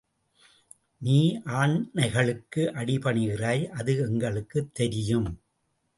நீ ஆணைகளுக்கு அடிபணிகிறாய் அது எங்களுக்குத் தெரியும்.